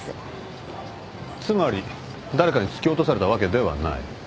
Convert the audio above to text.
つまり誰かに突き落とされたわけではない。